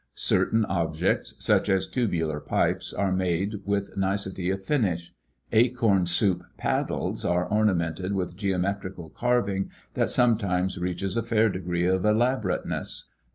Certain objects, such as tubular pipes, are. made with nicety of finish. Acorn soup paddles are ornamented with geometrical carving that sometimes reaches a fair degree of elaborateness.